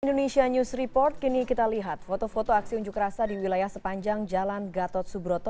indonesia news report kini kita lihat foto foto aksi unjuk rasa di wilayah sepanjang jalan gatot subroto